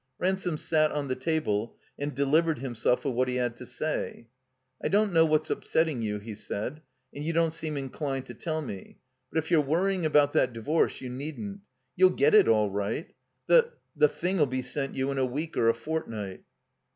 Ransome sat on the table and delivered himself of what he had to say. I don't know what's upsetting you," he said. And you don't seem inclined to tdl me. But if you're worrying about that divorce, you needn't. You'll get it all right. The — ^the thing 'U be sent you in a week or a fortnight."